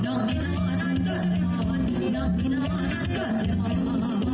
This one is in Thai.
ดงนิทรรปาร์ต